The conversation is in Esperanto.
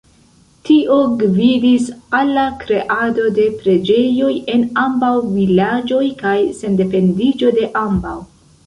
Tio gvidis al la kreado de preĝejoj en ambaŭ vilaĝoj kaj sendependiĝo de ambaŭ.